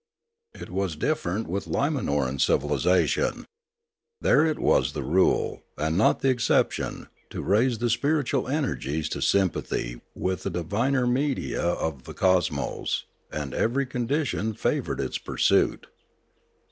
It was different with Limanoran civilisation. There it was the rule, and not the exception, to raise the spiritual energies to sympathy with the diviner media of the cosmos, and every condition favoured the pur suit.